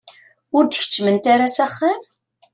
Ur d-keččment ara s axxam?